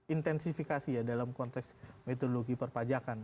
intensifikasi ya dalam konteks metodologi perpajakan